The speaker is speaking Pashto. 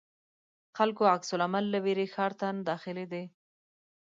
خلکو عکس العمل له وېرې ښار ته نه داخلېدی.